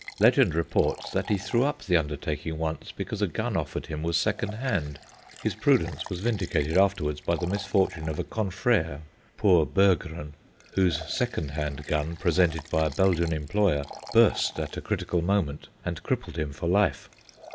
Legend reports that he threw up the undertaking once because a gun offered him was second hand; his prudence was vindicated afterwards by the misfortune of a confrère, poor Berggren, whose second hand gun, presented by a Belgian employer, burst at a critical moment and crippled him for life.